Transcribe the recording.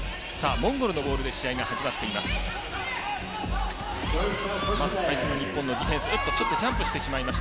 モンゴルのボールで試合が始まっています。